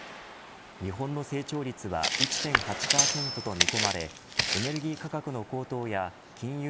日本の成長率は１．８％と見込まれエネルギー価格の高騰や金融